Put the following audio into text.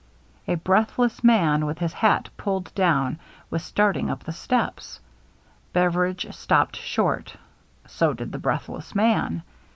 A breathless man with his hat pulled down was starting up the steps. Beveridge stopped short ; so did the breathless man.